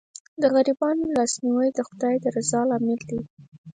د غریبانو لاسنیوی د خدای د رضا لامل دی.